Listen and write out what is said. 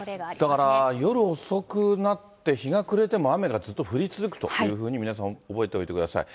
だから、夜遅くなって日が暮れても雨がずっと降り続くというふうに皆さん、覚えておいてください。